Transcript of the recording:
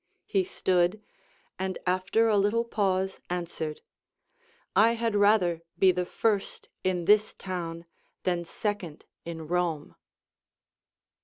He stood, and after a little pause answered, I had rather be the first in this town than second in Kome.